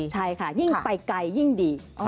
ใช่ค่ะยิ่งไปไกลยิ่งดี